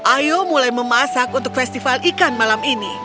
ayo mulai memasak untuk festival ikan malam ini